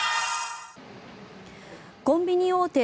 コンビニ大手